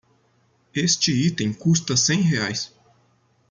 Este item custa cem reais.